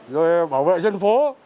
rồi bảo vệ dân phố